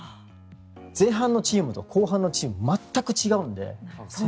前半のチームと後半のチームが全く違うので。